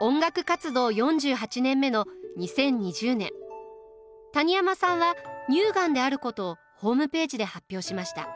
音楽活動４８年目の２０２０年谷山さんは乳がんであることをホームページで発表しました。